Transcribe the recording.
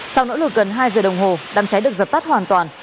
sau nỗi lực gần hai giờ đồng hồ đám cháy được dập tắt hoàn toàn